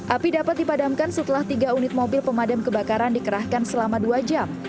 api dapat dipadamkan setelah tiga unit mobil pemadam kebakaran dikerahkan selama dua jam